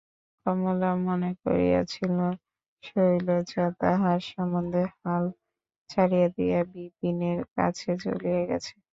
কমলা মনে করিয়াছিল, শৈলজা তাহার সম্বন্ধে হাল ছাড়িয়া দিয়া বিপিনের কাছে চলিয়া গেছে।